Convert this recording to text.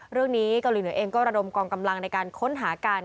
เรื่องนี้เกาหลีเหนือเองก็ระดมกองกำลังในการค้นหากัน